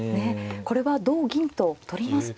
これは同銀と取りますと。